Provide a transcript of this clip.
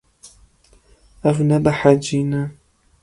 Ew nebehecî ne.